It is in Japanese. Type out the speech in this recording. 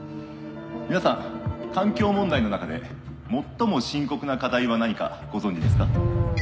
皆さん環境問題の中で最も深刻な課題は何かご存じですか？